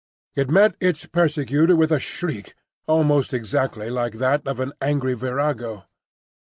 It met its persecutor with a shriek, almost exactly like that of an angry virago.